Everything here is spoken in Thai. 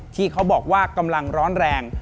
ที่เขาบอกว่ากำลังร้อนแรง